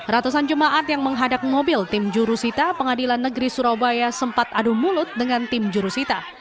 ratusan jemaat yang menghadap mobil tim jurusita pengadilan negeri surabaya sempat adu mulut dengan tim jurusita